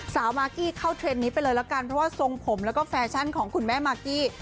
มากกี้เข้าเทรนด์นี้ไปเลยละกันเพราะว่าทรงผมแล้วก็แฟชั่นของคุณแม่มากกี้